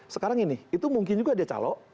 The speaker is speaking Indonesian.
sekarang ini itu mungkin juga dia calok